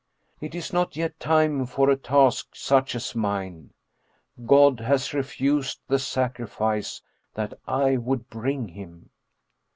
It is not yet time for a task such as mine God has refused the sacrifice that I would bring him.